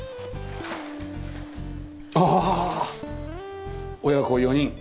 ああ親子４人。